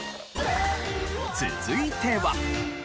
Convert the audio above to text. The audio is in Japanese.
続いては。